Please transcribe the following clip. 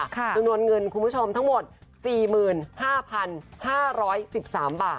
จำนวนเงินคุณผู้ชมทั้งหมด๔๕๕๑๓บาท